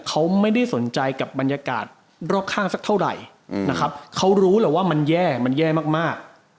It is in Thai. เขาไม่ได้สนใจกับบรรยากาศรอบข้างสักเท่าไหร่นะครับเขารู้แหละว่ามันแย่มันแย่มาก